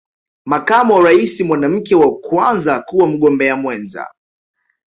Makamu wa rais mwanamke wa Kwanza kuwa Mgombea Mwenza